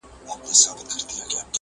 چي تر ننه یم راغلی له سبا سره پیوند یم!!